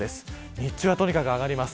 日中はとにかく上がります。